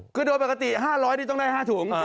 คือโดยปกติ๕๐๐นี่ต้องได้๕ถุง